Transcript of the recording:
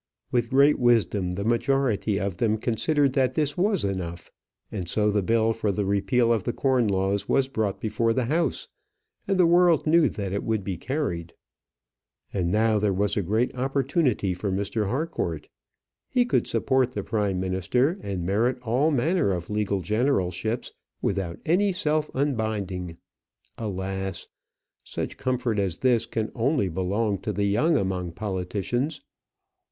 With great wisdom the majority of them considered that this was enough; and so the bill for the repeal of the corn laws was brought before the House, and the world knew that it would be carried. And now there was a great opportunity for Mr. Harcourt. He could support the prime minister and merit all manner of legal generalships without any self unbinding. Alas! such comfort as this can only belong to the young among politicians!